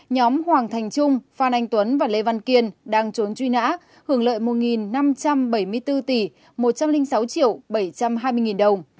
nhóm hoàng thành trung phan anh tuấn và lê văn kiên đang trốn truy nã hưởng lợi một năm trăm bảy mươi bốn tỷ một trăm linh sáu triệu bảy trăm hai mươi nghìn đồng